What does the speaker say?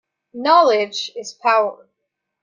Knowledge is power.